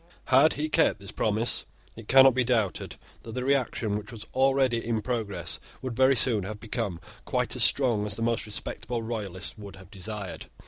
Had he kept this promise, it cannot be doubted that the reaction which was already in progress would very soon have become quite as strong as the most respectable Royalists would have desired.